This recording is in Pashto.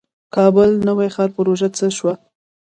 د کابل نوی ښار پروژه څه شوه؟